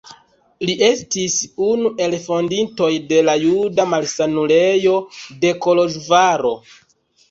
Li estis unu el fondintoj de la Juda Malsanulejo de Koloĵvaro.